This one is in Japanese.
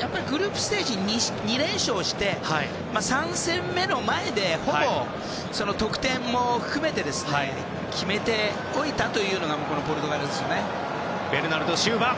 やっぱりグループステージ２連勝して３戦目の前でほぼ得点も含めて決めておいたというのがポルトガルですよね。